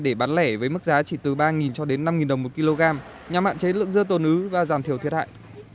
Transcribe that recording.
để bán lẻ với mức giá chỉ từ ba cho đến năm đồng một kg nhằm hạn chế lượng dưa tồn ứ và giảm thiểu thiệt hại